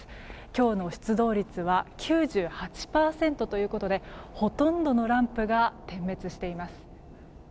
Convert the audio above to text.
今日の出動率は９８％ということでほとんどのランプが点滅しています。